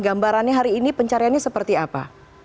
gambarannya hari ini pencariannya seperti apa